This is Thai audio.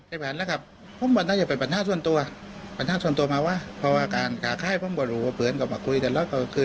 ครับท่านนะครับก็ไม่ใช่เป็นปฐานส่วนตัวผมคิดก็ไม่รู้ว่าเรื่องส่วนตัวก็มาคุย